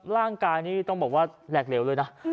ร่างกายนี่ต้องบอกว่าแหลกเหลวเลยนะ